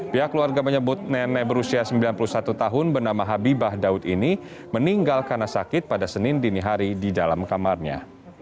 pihak keluarga menyebut nenek berusia sembilan puluh satu tahun bernama habibah daud ini meninggal karena sakit pada senin dini hari di dalam kamarnya